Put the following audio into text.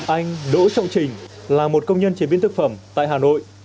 anh đỗ trọng trình là một công nhân chế biến thực phẩm tại hà nội